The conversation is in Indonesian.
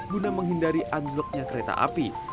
guna menghindari anjloknya kereta api